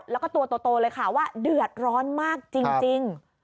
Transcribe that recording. แล้วก็ตัวโตเลยค่ะว่าเดือดร้อนมากจริง